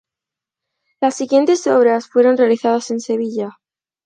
Las siguientes obras fueron realizadas en Sevilla.